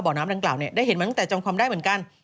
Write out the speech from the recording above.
น้ำดังกล่าวเนี่ยได้เห็นมาตั้งแต่จำความได้เหมือนกัน